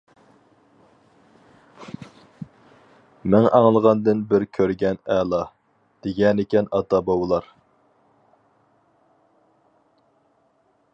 «مىڭ ئاڭلىغاندىن بىر كۆرگەن ئەلا» دېگەنىكەن ئاتا-بوۋىلار.